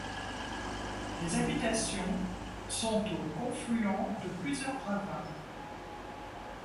Les habitations sont au confluent de plusieurs ravins.